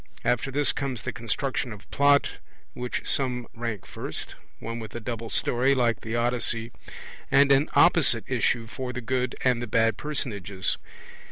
After this comes the construction of Plot which some rank first, one with a double story (like the Odyssey) and an opposite issue for the good and the bad personages.